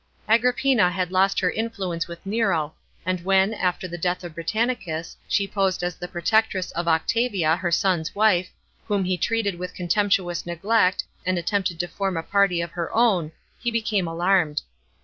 Agrippina had lost her influence with Nero, and when, after the death of Britannicus, she posed as the protectress of Octavia, her son's wife, whom he treated with contemptuous neglect, and attempted to form a party of her own, he became alarmed.